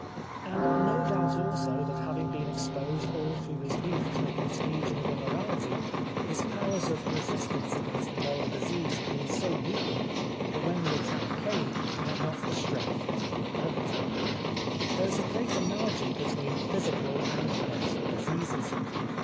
And no doubt also that having been exposed all through his youth to the contagion of im morality his powers of resistance against moral disease had been so weakened that when the attack came he had not the strength to over come it. There is a great analogy between physical and mental diseases.